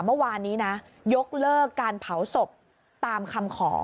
เมื่อวานนี้นะยกเลิกการเผาศพตามคำขอ